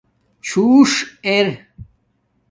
چھݸݽ ار